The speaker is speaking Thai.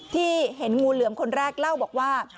ที่เห็นงูเหลือมคนแรกเล่าบอกว่า